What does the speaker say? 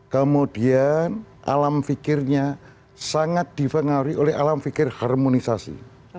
kemudian alam pikirnya sangat dipengaruhi oleh alam pikir harmonisasi